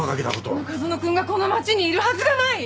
中園くんがこの町にいるはずがない！